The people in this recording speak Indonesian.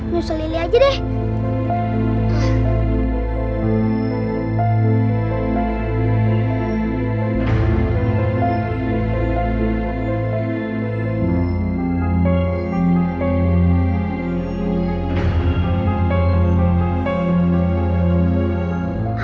nyusulili aja deh